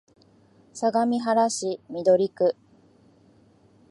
相模原市緑区